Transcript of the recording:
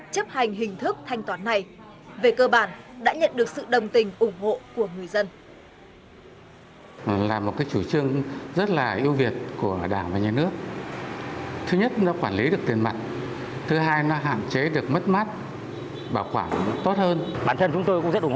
chấp hành hình thức thanh toán này